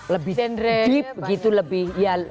lebih deep gitu lebih ya